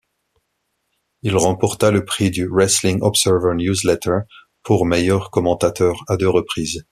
Il remporta le prix du Wrestling Observer Newsletter pour Meilleur commentateur à deux reprises.